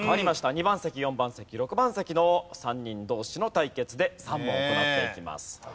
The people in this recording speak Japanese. ２番席４番席６番席の３人同士の対決で３問行っていきます。